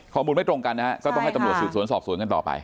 ข้อมูลไม่ตรงกันก็ต้องให้ตำรวจสูญสอบสูญกันต่อไป